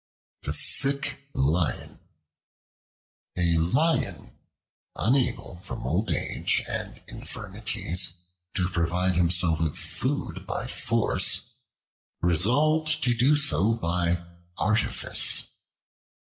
The Sick Lion A LION, unable from old age and infirmities to provide himself with food by force, resolved to do so by artifice.